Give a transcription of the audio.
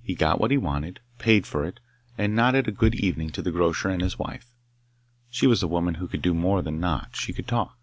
He got what he wanted, paid for it, and nodded a good evening to the grocer and his wife (she was a woman who could do more than nod; she could talk).